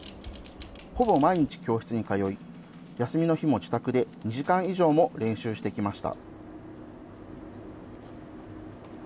ほぼ毎日教室に通い、休みの日も自宅で２時間以上も練習してきました。